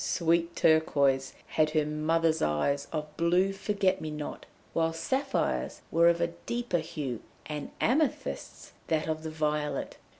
Sweet Turquoise had her mother's eyes of blue forget me not, while Sapphire's were of deeper hue, and Amethyst's that of the violet.